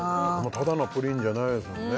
ただのプリンじゃないですもんね